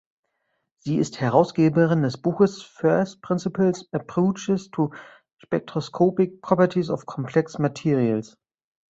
Sie ist Herausgeberin des Buches "First Principles Approaches to Spectroscopic Properties of Complex Materials".